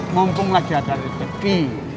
mumpung lagi ada rezeki